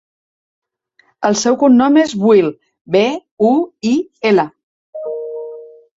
El seu cognom és Buil: be, u, i, ela.